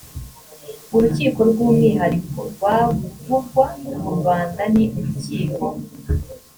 urukiko rw umwihariko rwavugwa mu rwanda ni urukiko